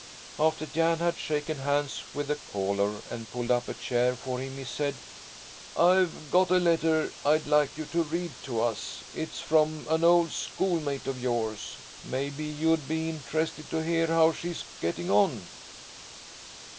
After Jan had shaken hands with the caller and pulled up a chair for him he said: "I've got a letter I'd like you to read to us. It's from an old schoolmate of yours. Maybe you'd be interested to hear how she's getting on?"